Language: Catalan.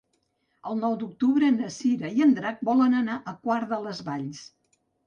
El nou d'octubre na Cira i en Drac volen anar a Quart de les Valls.